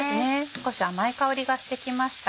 少し甘い香りがしてきました。